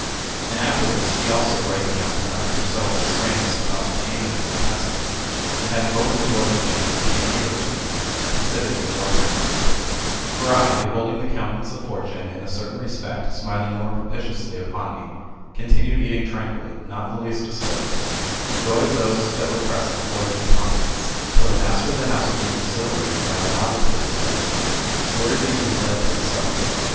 And afterwards, he also breaking out into laughter so unrestrained as to cause pain in his intestines, and having opened the door of the chamber, came nearer to me, and considered me more attentively. For I, beholding the counten ance of Fortune in a certain respect smiling more propitiously upon me, continued eating tranquilly, not in the least disturbed ; the joy of those that were present affording me confidence ; till the master of the house being exhilarated by the novelty of the spectacle, ordered me to be led to the supper room ; or rather 9 Alluding to the fatal strife between Eteocles and his brother Polynices.